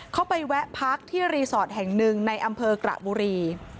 เขาไปแวะพักที่รีสอร์ทแห่งหนึ่งในอำเภอกระบุรี